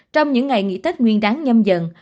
trong những ngày nghỉ tết nguyên đáng nhâm dần